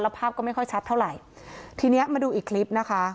ภาพก็ไม่ค่อยชัดเท่าไหร่ทีเนี้ยมาดูอีกคลิปนะคะ